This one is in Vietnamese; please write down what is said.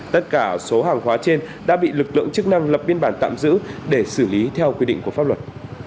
tất cả số hàng hóa trên đã bị lực lượng chức năng lập biên bản tạm giữ để xử lý theo quy định của pháp luật